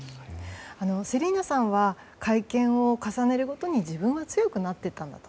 セリーナさんは会見を重ねるごとに自分は強くなっていったんだと。